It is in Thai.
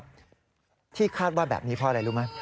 ที่คาดว่าแบบนี้เพราะอะไรรู้ไหม